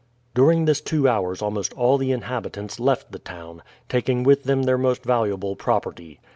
During this two hours almost all the inhabitants left the town, taking with them their most valuable property.